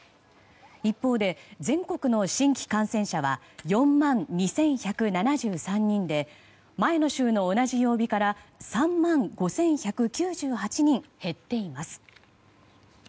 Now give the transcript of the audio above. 一方で全国の新規感染者は４万２１７３人で前の週の同じ曜日から３万５１９８人減っています。